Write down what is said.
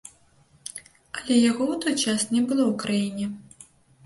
Але яго ў той час не было ў краіне.